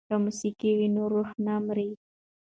که موسیقي وي نو روح نه مري.